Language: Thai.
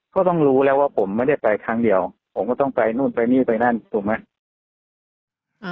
ก็ต้องรู้แล้วว่าผมไม่ได้ไปครั้งเดียวผมก็ต้องไปนู่นไปนี่ไปนั่นถูกไหม